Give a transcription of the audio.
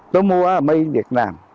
tôi mua ở mấy việt nam